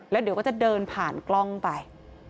แล้วเดี๋ยวก็จะเดินผ่านกล้องไป